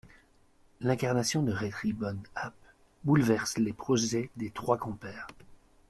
L'incarcération de Réty Bon Ap' bouleverse les projets des trois compères.